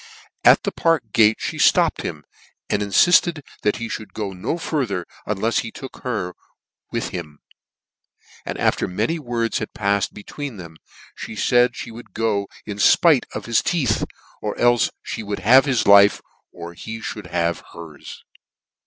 At the Park gate, fhe (topped him, and infilled that he ihould go no farther unlefs he took her with him; and after many words had pa fled be tween them, fhe (aid (he would go in fpite of his teeth, or cite me would have his life, or he mould have her's.